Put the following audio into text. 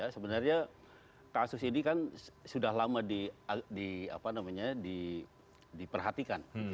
sebenarnya kasus ini kan sudah lama diperhatikan